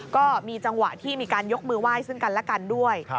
ก็มีจังหวะที่มีการยกมือไหว้ซึ่งกันและกันด้วย